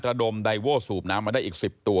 ระดมไดโว้สูบน้ำมาได้อีก๑๐ตัว